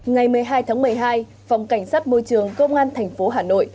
ngày một mươi hai tháng một mươi hai phòng cảnh sát môi trường công an tp hà nội